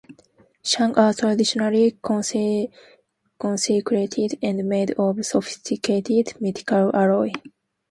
Shang are traditionally consecrated and made of sophisticated metallic alloy.